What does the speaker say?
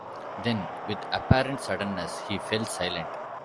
Then, with apparent suddenness, he fell silent.